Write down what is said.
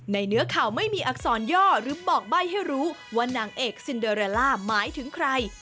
เนื้อข่าวไม่มีอักษรย่อหรือบอกใบ้ให้รู้ว่านางเอกซินเดอเรลล่าหมายถึงใคร